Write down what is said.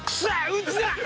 うんちだ！